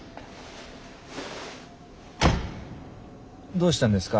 どうしたんですか？